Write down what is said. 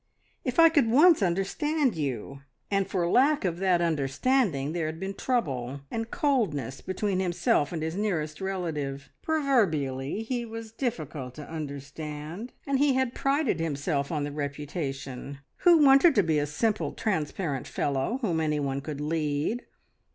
"If I could once understand you!" and for lack of that understanding there had been trouble and coldness between himself and his nearest relative. Proverbially he was difficult to understand; and he had prided himself on the reputation. Who wanted to be a simple, transparent fellow, whom any one could lead?